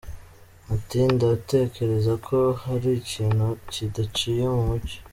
Ati “Ndatekereza ko hari ikintu kidaciye mu mucyo.